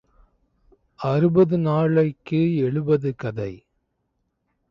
அறுபது நாளைக்கு எழுபது கதை.